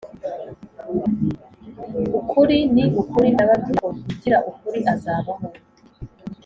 Ukuri ni ukuri ndababwira ko ugira ukuri azabaho